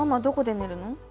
どこで寝るの？